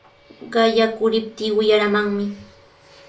Qayakuriptii wiyaramanmi.